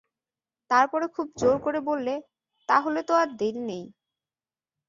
তার পরে খুব জোর করে বললে, তা হলে তো আর দেরি নেই।